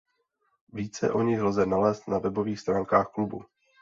Více o nich lze nalézt na webových stránkách klubu.